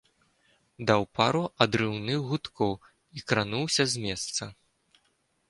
Даў пару адрыўных гудкоў і крануўся з месца.